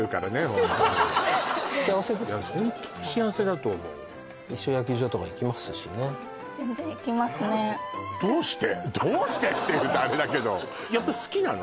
ホントに幸せですよねいやホントに幸せだと思う一緒に野球場とか行きますしね全然行きますねどうして？って言うとあれだけどやっぱ好きなの？